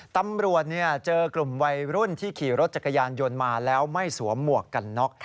ตำรวจเจอกลุ่มวัยรุ่นที่ขี่รถจักรยานยนต์มาแล้วไม่สวมหมวกกันน็อก